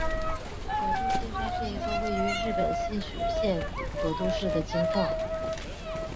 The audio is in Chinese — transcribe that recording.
佐渡金山是一座位于日本新舄县佐渡市的金矿。